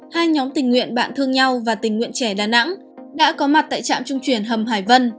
hai nhóm tình nguyện bạn thương nhau và tình nguyện trẻ đà nẵng đã có mặt tại trạm trung chuyển hầm hải vân